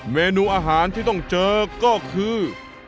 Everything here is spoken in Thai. เมนูอาหารที่ต้องเจอก็คือ